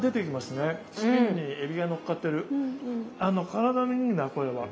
体にいいなこれは。